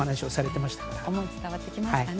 思いが伝わってきますかね。